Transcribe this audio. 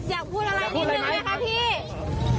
อยากพูดอะไรนิดนึงไหมคะพี่